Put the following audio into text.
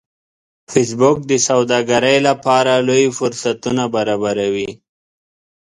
فېسبوک د سوداګرۍ لپاره لوی فرصتونه برابروي